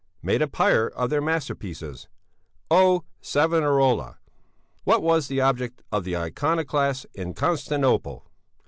made a pyre of their masterpieces Oh! Savonarola! "'What was the object of the iconoclasts in Constantinople?